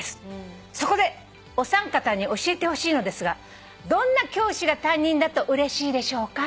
「そこでお三方に教えてほしいのですがどんな教師が担任だとうれしいでしょうか？」